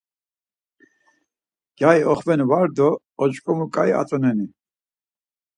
Gyari oxvenu var do oç̌ǩomu ǩai atzoneni?